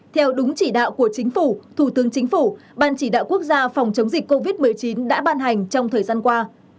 theo đúng chỉ đạo của chính phủ thủ tướng chính phủ ban chỉ đạo quốc gia phòng chống dịch covid một mươi chín đã ban hành trong thời gian qua